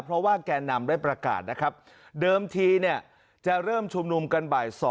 เพราะว่าแก่นำได้ประกาศนะครับเดิมทีเนี่ยจะเริ่มชุมนุมกันบ่าย๒